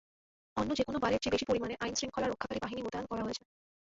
অন্য যেকোনো বারের চেয়ে বেশি পরিমাণে আইনশৃঙ্খলা রক্ষাকারী বাহিনী মোতায়েন করা হয়েছে।